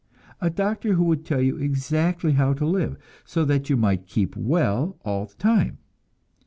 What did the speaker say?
A doctor who would tell you exactly how to live, so that you might keep well all the time!